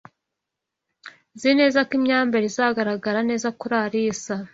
Nzi neza ko imyambarire izagaragara neza kuri Alice.